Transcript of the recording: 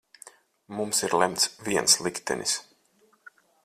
Mums ir lemts viens liktenis.